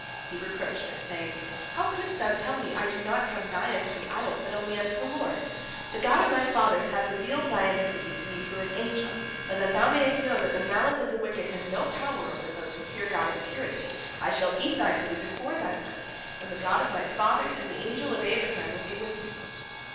He reproached her, saying, "How couldst thou tell me, I do not come nigh unto the idols, but only unto the Lord? The God of my fathers hath revealed thy iniquity to me through an angel, but that thou mayest know that the malice of the wicked has no power over those who fear God in purity, I shall eat thy food before thine eyes, and the God of my fathers and the angel of Abraham will be with me."